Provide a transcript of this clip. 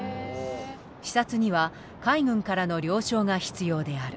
視察には海軍からの了承が必要である。